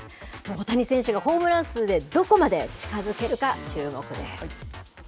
大谷選手がホームラン数でどこまで近づけるか、注目です。